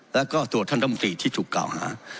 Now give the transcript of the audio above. และก็ตัวท่านต้ำกที่ถูกกล่าวฆา